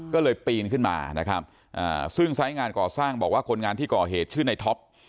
ก็เลยปีนขึ้นมานะครับซึ่งสายงานก่อสร้างบอกว่าคนงานที่ก่อเหตุชื่อในท็อป